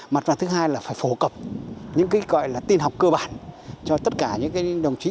mặt và thứ hai là phải phổ cập những cái gọi là tin học cơ bản cho tất cả những cái đồng chí